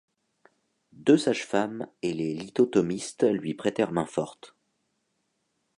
Deux sage-femmes et les lithotomistes lui prêtèrent main-forte.